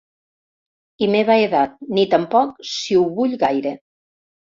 I meva edat, ni tampoc si ho vull gaire.